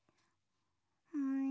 うん？